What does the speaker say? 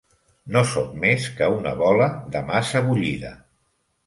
No sóc més que una bola de massa bullida.